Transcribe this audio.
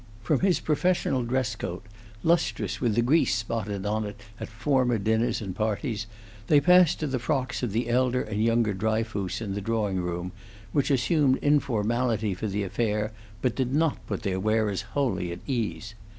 From his professional dress coat, lustrous with the grease spotted on it at former dinners and parties, they passed to the frocks of the elder and younger Dryfoos in the drawing room, which assumed informality for the affair, but did not put their wearers wholly at their ease.